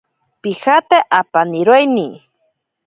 Pijate apaniroini.